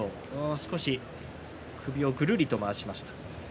少し首をぐるりと回しました。